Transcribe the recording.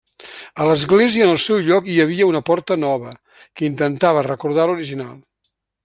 A l'església en el seu lloc hi havia una porta nova, que intentava recordar l'original.